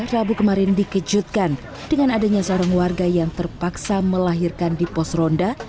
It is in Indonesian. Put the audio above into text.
rabu kemarin dikejutkan dengan adanya seorang warga yang terpaksa melahirkan di pos ronda